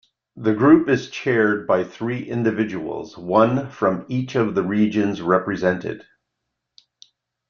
The group is chaired by three individuals, one from each of the regions represented.